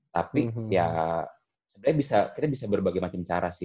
tapi ya sebenarnya kita bisa berbagai macam cara sih